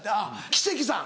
奇跡さん。